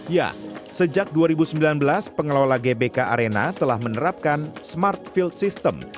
ya sejak dua ribu sembilan belas pengelola gbk arena telah menerapkan smart field system